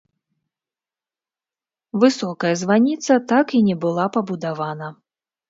Высокая званіца так і не была пабудавана.